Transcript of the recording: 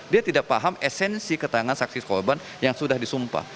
dia tidak paham esensi keterangan saksi korban yang sudah disumpah